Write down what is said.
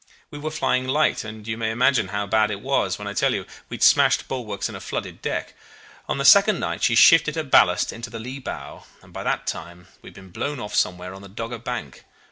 We were flying light, and you may imagine how bad it was when I tell you we had smashed bulwarks and a flooded deck. On the second night she shifted her ballast into the lee bow, and by that time we had been blown off somewhere on the Dogger Bank.